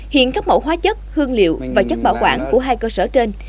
hiện các mẫu hóa chất hương liệu và chất bảo quản của hai cơ sở trên